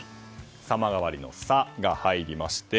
様変わりの「サ」が入りまして